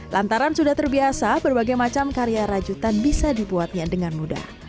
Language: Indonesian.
lantaran sudah terbiasa berbagai macam karya rajutan bisa dibuatnya dengan mudah